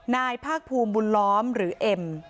นายภาคภูมิบุญล้อมหรือเอ็ม